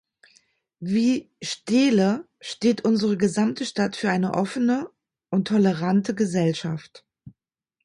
Wie Steele steht unsere gesamte Stadt für eine offene und tolerante Gesellschaft.